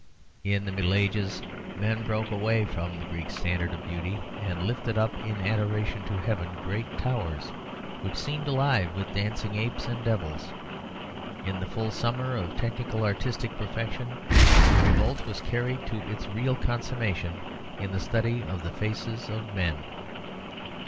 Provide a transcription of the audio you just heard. In the Middle Ages men broke away from the Greek standard of beauty, and lifted up in adoration to heaven great towers, which seemed alive with dancing apes and devils. In the full summer of technical artistic perfection the revolt was carried to its real consummation in the study of the faces of men.